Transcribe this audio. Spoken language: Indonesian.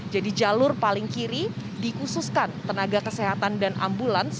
jadi jalur paling kiri dikhususkan tenaga kesehatan dan ambulans